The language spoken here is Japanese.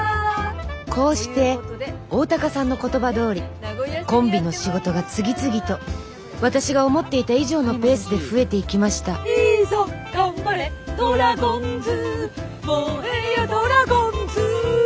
こうして大高さんの言葉どおりコンビの仕事が次々と私が思っていた以上のペースで増えていきました「いいぞがんばれドラゴンズ燃えよドラゴンズ！」